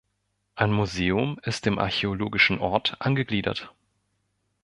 Ein Museum ist dem archäologischen Ort angegliedert.